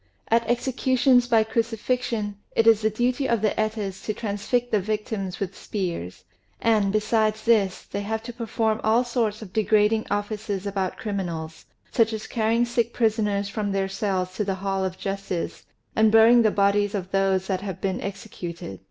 At executions by crucifixion it is the duty of the Etas to transfix the victims with spears; and, besides this, they have to perform all sorts of degrading offices about criminals, such as carrying sick prisoners from their cells to the hall of justice, and burying the bodies of those that have been executed.